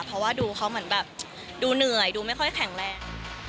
เพราะว่าเหมือนเหนื่อยดูไม่ค่อยแข็งแรง